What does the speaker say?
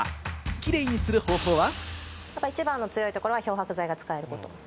キレイにする方法は？